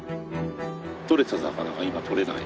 とれてた魚が今とれない。